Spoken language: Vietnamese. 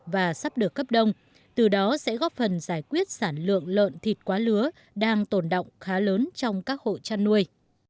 và sắp được cấp đông từ đó sẽ góp phần giải quyết sản lượng lợn thịt quá lứa đang tồn động khá lớn trong các hộ chăn nuôi